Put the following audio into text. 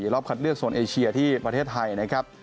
รอบคัดเลือกโซนเอเชียที่ประเทศไทยนะครับ